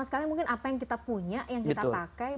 karena mungkin apa yang kita punya yang kita pakai